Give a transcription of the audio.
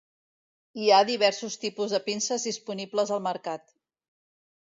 Hi ha diversos tipus de pinces disponibles al mercat.